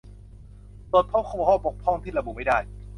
ตรวจพบข้อบกพร่องที่ระบุไม่ได้